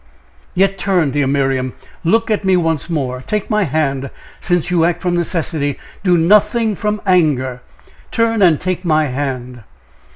"Yet turn, dear Miriam! Look on me once more! take my hand! since you act from necessity, do nothing from anger turn and take my hand."